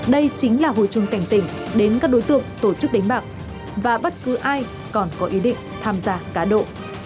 đây chính là hồi chuông cảnh tỉnh đến các đối tượng tổ chức đánh bạc và bất cứ ai còn có ý định tham gia cá độ